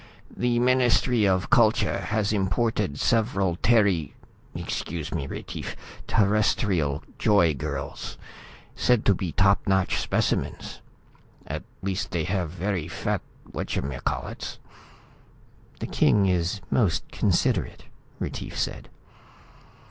"The Ministry of Culture has imported several Terry excuse me, Retief Terrestrial joy girls, said to be top notch specimens. At least they have very fat watchamacallits." "The king is most considerate," Retief said.